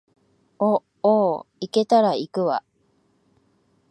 お、おう、行けたら行くわ